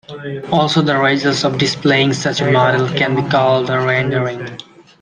Also, the results of displaying such a model can be called a rendering.